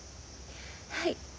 はい。